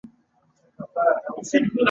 داسې ملي خپلواکي ترلاسه کړه.